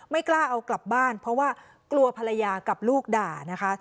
ไม่กล้าเอากลับบ้านเพราะว่ากลัวภรรยากับลูกด่านะคะ